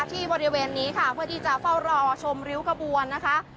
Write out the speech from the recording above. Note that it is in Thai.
บริเวณนี้ค่ะเพื่อที่จะเฝ้ารอชมริ้วขบวนนะคะ